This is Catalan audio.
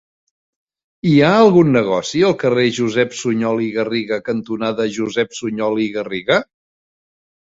Hi ha algun negoci al carrer Josep Sunyol i Garriga cantonada Josep Sunyol i Garriga?